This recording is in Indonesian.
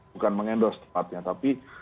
bukan meng endorse tepatnya tapi